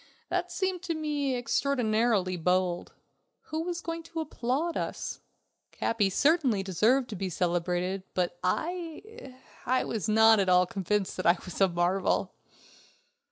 That seemed to me extraordinarily bold. Who was going to applaud us? Capi certainly deserved to be celebrated, but I ... I was not at all convinced that I was a marvel.